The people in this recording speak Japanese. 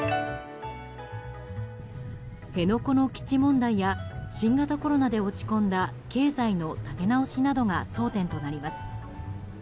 辺野古の基地問題や新型コロナで落ち込んだ経済の立て直しなどが争点となります。